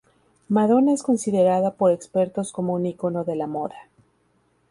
Madonna es considerada por expertos como un ícono de la moda.